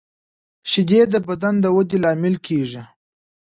شیدې د بدن د ودې لامل کېږي